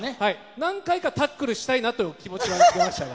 何回かタックルしたいなという気持ちはありましたが。